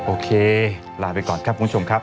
โอเคลาไปก่อนครับคุณผู้ชมครับ